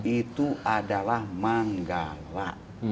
itu adalah manggala